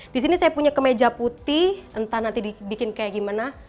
di sini saya punya kemeja putih entah nanti dibikin kayak gimana